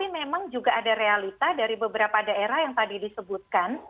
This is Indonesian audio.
memang juga ada realita dari beberapa daerah yang tadi disebutkan